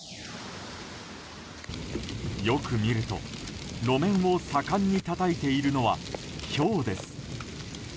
よく見ると路面を、盛んにたたいてるのはひょうです。